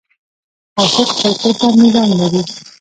هر څوک خپل کور ته میلان لري.